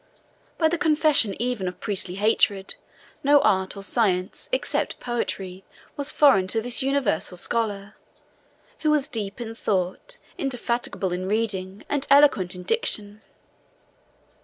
By the confession even of priestly hatred, no art or science, except poetry, was foreign to this universal scholar, who was deep in thought, indefatigable in reading, and eloquent in diction.